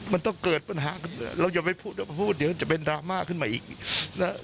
มันต้องเกิดปัญหาคือเราอย่อมไปพูดไปพูดจะเป็นดราม่าขึ้นมาอีกนะ